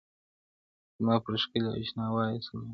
زما پر ښکلي اشنا وایه سلامونه-